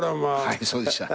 はいそうでした。